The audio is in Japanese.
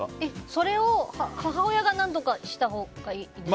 それ、母親が何とかしたほうがいいんですかね。